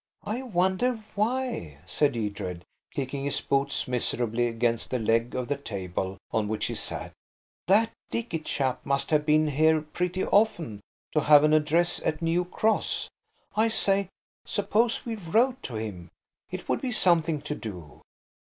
"I wonder why," said Edred, kicking his boots miserably against the leg of the table on which he sat. "That Dicky chap must have been here pretty often, to have an address at New Cross. I say, suppose we wrote to him. It would be something to do."